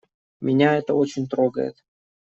Меня это очень трогает.